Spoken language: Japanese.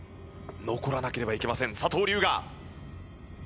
残らなければいけません佐藤龍我。